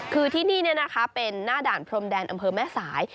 คือที่นี่เป็นหน้าด่านพรมแดนอำเภอแม่สาย